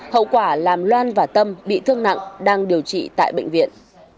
hậu quả làm loan và tâm bị thương nặng đang điều trị tại bệnh viện